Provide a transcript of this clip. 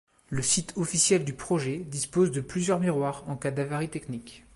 Le site officiel du projet dispose de plusieurs miroirs en cas d’avarie technique.